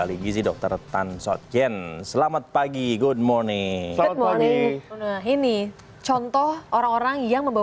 aligizi dokter tan shotjen selamat pagi good morning ini contoh orang orang yang membawa